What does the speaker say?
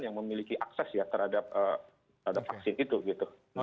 yang memiliki akses ya terhadap vaksin itu gitu